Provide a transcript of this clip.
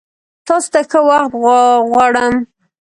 تاسو ته ښه وخت غوړم!